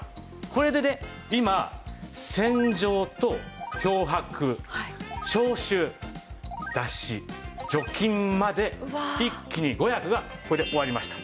これでね今洗浄と漂白消臭脱脂除菌まで一気に５役がこれで終わりました。